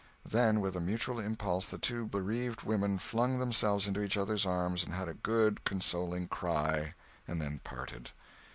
Then with a mutual impulse the two bereaved women flung themselves into each other's arms and had a good, consoling cry, and then parted.